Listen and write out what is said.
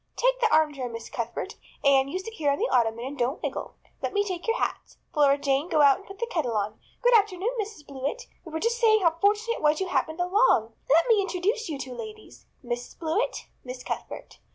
Take the armchair, Miss Cuthbert. Anne, you sit here on the ottoman and don't wiggle. Let me take your hats. Flora Jane, go out and put the kettle on. Good afternoon, Mrs. Blewett. We were just saying how fortunate it was you happened along. Let me introduce you two ladies. Mrs. Blewett, Miss Cuthbert.